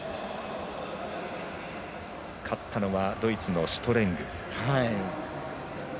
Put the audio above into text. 勝ったのはドイツのシュトレング。